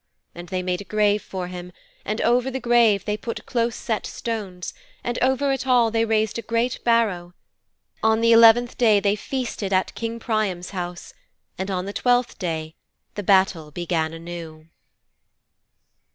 And they made a grave for him, and over the grave they put close set stones, and over it all they raised a great barrow. On the eleventh day they feasted at King Priam's house, and on the twelfth day the battle began anew.'